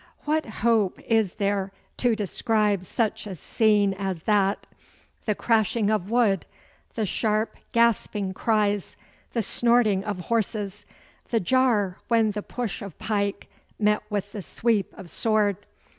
What hope is there to describe such a scene as that the crashing of wood, the sharp gasping cries, the snorting of horses, the jar when the push of pike met with the sweep of sword!